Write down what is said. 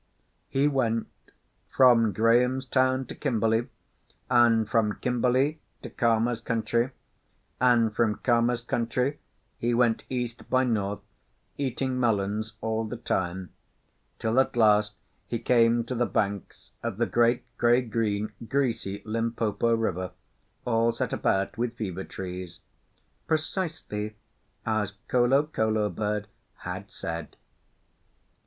He went from Graham's Town to Kimberley, and from Kimberley to Khama's Country, and from Khama's Country he went east by north, eating melons all the time, till at last he came to the banks of the great grey green, greasy Limpopo River, all set about with fever trees, precisely as Kolokolo Bird had said.